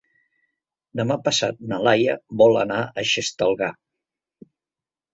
Demà passat na Laia vol anar a Xestalgar.